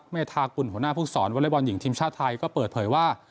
เมธากุลหัวหน้าภูมิสอนวอเล็กบอลหญิงทีมชาติไทยก็เปิดเผยว่า